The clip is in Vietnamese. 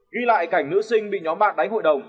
ghi lại cảnh nữ sinh bị nhóm mạng đánh hội đồng